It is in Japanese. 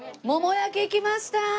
もも焼き来ました！